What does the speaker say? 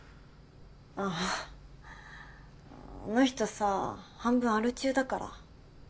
あああの人さ半分アル中だから。